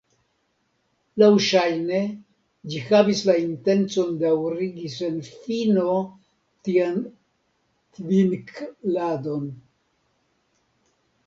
Laŭŝajne ĝi havis la intencon daŭrigi sen fino tian tvink'ladon.